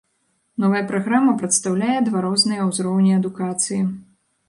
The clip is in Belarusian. Новая праграма прадстаўляе два розныя ўзроўні адукацыі.